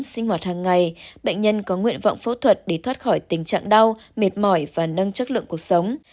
sinh hoạt hàng ngày bệnh nhân có nguyện vọng phẫu thuật để thoát khỏi tình trạng đau mệt mỏi và nâng chất lượng cuộc sống